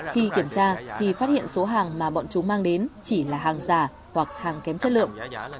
khi kiểm tra thì phát hiện số hàng mà bọn chúng mang đến chỉ là hàng giả hoặc hàng kém chất lượng